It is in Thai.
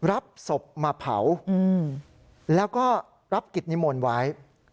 รับศพมาเผาแล้วก็รับกิจนิมนต์ไว้